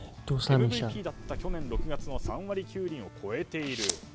ＭＶＰだった去年６月の３割９厘を超えている。